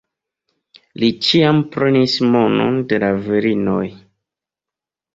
Li ĉiam prenis monon de la virinoj.